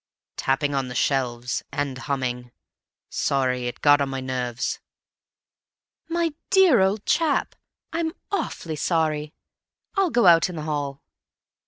"Tapping on the shelves, and humming. Sorry. It got on my nerves." "My dear old chap, I'm awfully sorry. I'll go out in the hall."